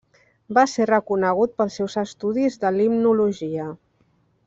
Va ser reconegut pels seus estudis de limnologia.